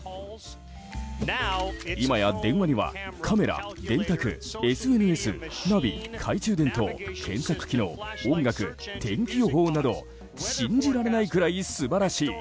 今や電話、カメラ、ＳＮＳ、ナビ懐中電灯、検索機能音楽、天気予報など信じられないくらい素晴らしい。